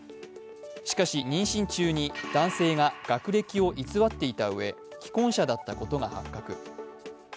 しかし、妊娠中に男性が学歴を偽っていたうえ既婚者だったことが発覚。